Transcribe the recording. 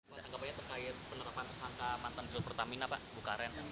pertama tama terkait penerapan persangka mantan jelur pertamina pak bukaren